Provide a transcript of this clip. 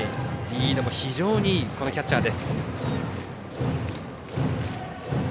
リードも非常にいいキャッチャー。